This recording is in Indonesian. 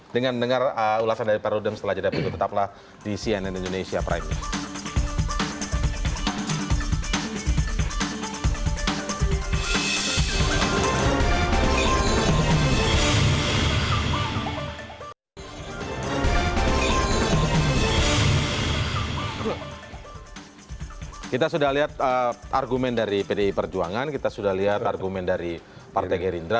dengan dengar ulasan dari pak rudeng setelah jadinya